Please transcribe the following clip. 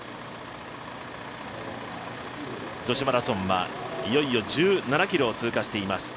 女子マラソンはいよいよ１７ｋｍを通過しています。